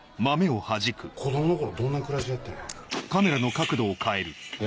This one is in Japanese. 子供の頃どんな暮らしやったんや？